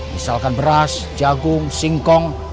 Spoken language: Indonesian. misalkan beras jagung singkong